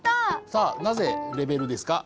さあなぜ「レベル」ですか？